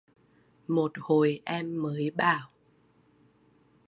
một hồi em mới bảo